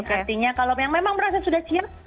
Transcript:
artinya kalau memang merasa sudah siap